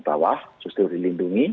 bawah justru dilindungi